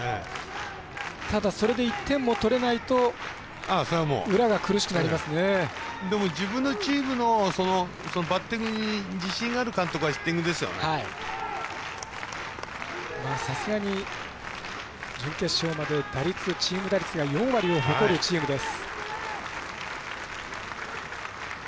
ただ、それで１点も取れないと自分のチームのバッティングに自信がある監督はさすがに準決勝までチーム打率が４割を誇るチームです。